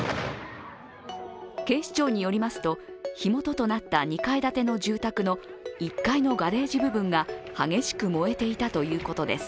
警視庁によりますと火元ともなった２階建ての住宅の１階のガレージ部分が激しく燃えていたということです。